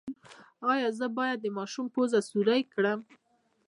ایا زه باید د ماشوم پوزه سورۍ کړم؟